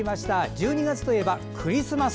１２月といえばクリスマス。